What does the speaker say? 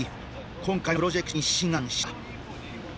今回のプロジェクトに志願した。